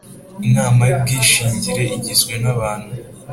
Inama y ubwishingire igizwe n abantu